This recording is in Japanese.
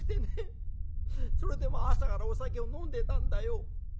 それでもう朝からお酒を飲んでたんだよ」。